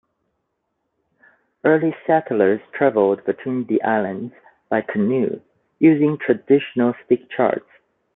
Early settlers traveled between the islands by canoe using traditional stick charts.